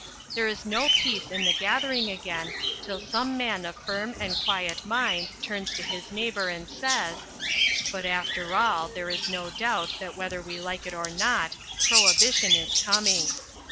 There is no peace in the gathering again till some man of firm and quiet mind turns to his neighbour and says, "But after all there is no doubt that whether we like it or not prohibition is coming."